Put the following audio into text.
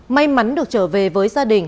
may mắn được trở về với gia đình